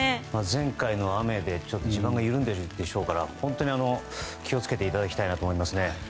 前回の雨で地盤が緩んでいるでしょうから本当に気を付けていただきたいなと思いますね。